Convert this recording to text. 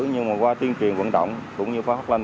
nhưng mà qua tuyên truyền vận động cũng như phó hốc lâm